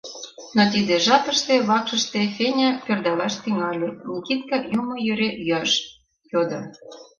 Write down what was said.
Но тиде жапыште вакшыште Феня пӧрдалаш тӱҥале, Никитка омо йӧре йӱаш йодо.